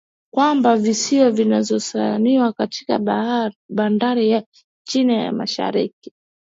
kwamba viziwa vinazozaniwa kati ya bandari ya china na mashariki